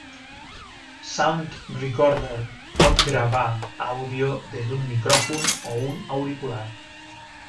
Sound Recorder pot gravar àudio des d'un micròfon o un auricular.